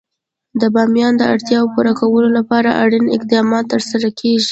د بامیان د اړتیاوو پوره کولو لپاره اړین اقدامات ترسره کېږي.